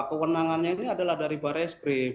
kewenangannya ini adalah dari barreskrim